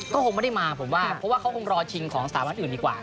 ก็คงไม่ได้มาผมว่าเพราะว่าเขาคงรอชิงของสถาบันอื่นดีกว่า